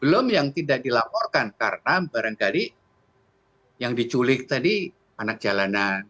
belum yang tidak dilaporkan karena barangkali yang diculik tadi anak jalanan